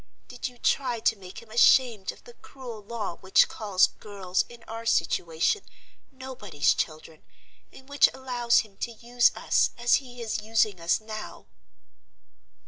Did you try to make him ashamed of the cruel law which calls girls in our situation Nobody's Children, and which allows him to use us as he is using us now?"